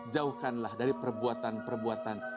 jauhkanlah dari perbuatan perbuatan